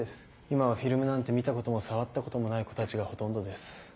今はフィルムなんて見たことも触ったこともない子たちがほとんどです。